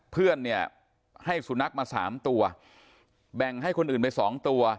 เพื่อนเนี่ยให้สุนัขมาสามตัวแบ่งให้คนอื่นไปสองตัว